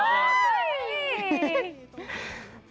เย้